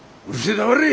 黙れ！